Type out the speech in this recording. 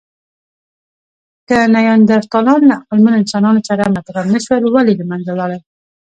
که نیاندرتالان له عقلمنو انسانانو سره مدغم نهشول، ولې له منځه لاړل؟